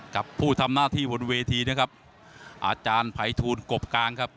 กับผู้ทำหน้าที่บนเวทีนะครับอาจารย์ภัยทูลกบกลางครับ